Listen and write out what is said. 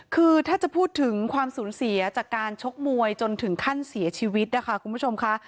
คือถ้าจะพูดถึงความสูญเสียจากการชกมวยจนถึงขั้นเสียชีวิตนะคะคุณผู้ชมค่ะ